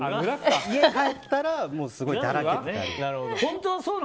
家帰ったらすごいだらけてたり。